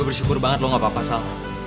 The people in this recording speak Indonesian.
gue bersyukur banget lo gak apa apa sal